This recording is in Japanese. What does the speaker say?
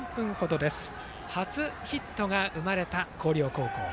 初ヒットが生まれた広陵高校。